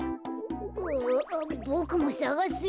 ああボクもさがすよ。